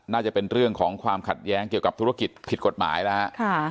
น่าจะเป็นเรื่องของความขัดแย้งเกี่ยวกับธุรกิจผิดกฎหมายแล้วฮะ